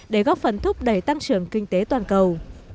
để góp phần thúc đẩy tăng trưởng kinh tế toàn cầu